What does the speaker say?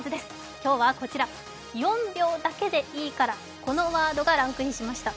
今日はこちら、「４秒だけでいいから」このワードがランクインしました。